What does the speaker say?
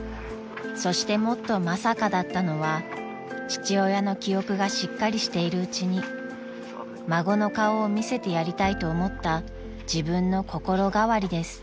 ［そしてもっとまさかだったのは父親の記憶がしっかりしているうちに孫の顔を見せてやりたいと思った自分の心変わりです］